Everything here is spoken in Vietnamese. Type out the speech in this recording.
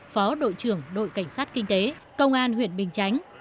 phó đội trưởng đội cảnh sát kinh tế công an huyện bình chánh